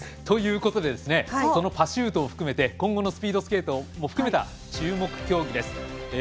ということでそのパシュートを含めて今後のスピードスケートも含めた注目競技です。